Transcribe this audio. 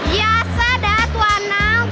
ya sadar tuanang